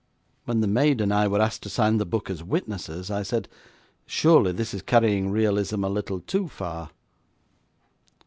When the maid and I were asked to sign the book as witnesses, I said: 'Surely this is carrying realism a little too far?'